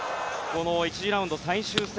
１次ラウンド最終戦